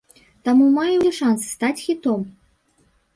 Таму мае ўсе шанцы стаць хітом!